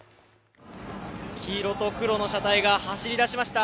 黄色と黒の車体が走り始めました。